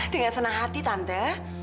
dengan senang hati tante